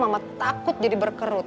mama takut jadi berkerut